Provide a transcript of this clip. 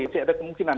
masih ada kemungkinan